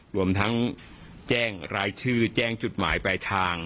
รวมทั้งแจ้งรายชื่อแจ้งจุดหมายปลายทาง